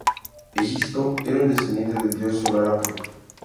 Egisto era un descendiente del dios solar Apollo.